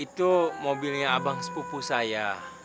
itu mobilnya abang sepupu saya